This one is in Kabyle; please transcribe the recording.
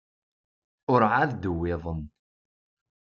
Ur εad d-wwiḍen.